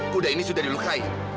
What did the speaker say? kuda ini sudah dilukai